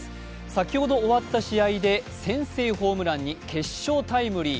先ほど終わった試合で先制ホームランに決勝タイムリー。